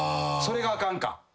それがあかんか？